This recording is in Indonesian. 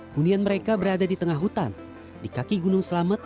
hunian mereka berada di tengah hutan di kaki gunung selamet